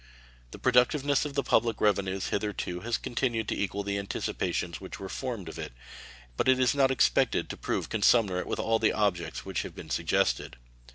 The productiveness of the public revenues hitherto has continued to equal the anticipations which were formed of it, but it is not expected to prove commensurate with all the objects which have been suggested.